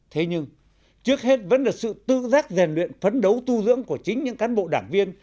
thế nhưng trước hết vẫn được sự tự giác rèn luyện phấn đấu tu dưỡng của chính những cán bộ đảng viên